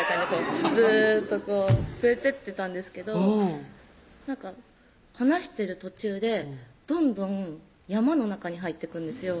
ずーっとこう連れてってたんですけどなんか話してる途中でどんどん山の中に入ってくんですよ